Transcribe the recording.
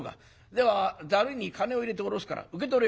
ではざるに金を入れて下ろすから受け取れよ」。